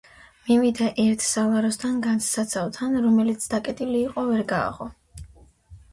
მივიდა ერთ სალაროსთან განძსაცავთან, რომელიც დაკეტილი იყო და ვერ გააღო;